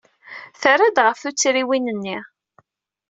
Terra-d ɣef tuttriwin-nni.